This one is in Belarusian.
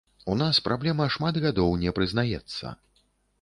У нас праблема шмат гадоў не прызнаецца.